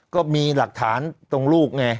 ก็มีหลักฐานตรงลูกไง